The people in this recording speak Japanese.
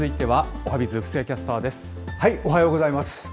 おはようございます。